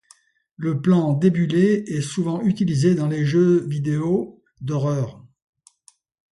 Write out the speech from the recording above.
Le plan débullé est souvent utilisé dans les jeux vidéo d'horreur.